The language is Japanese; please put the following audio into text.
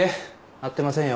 会ってませんよ。